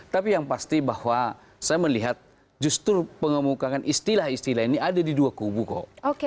tapi yang pasti bahwa saya melihat justru pengemukangan istilah istilah ini ada di dua kubu kok